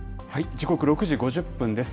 時刻６時５０分です。